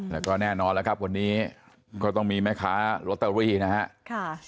แล้วก็แน่นอนแล้วครับวันนี้ก็ต้องมีแม่ค้าลอตเตอรี่นะครับ